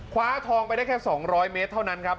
คว้าทองไปได้แค่๒๐๐เมตรเท่านั้นครับ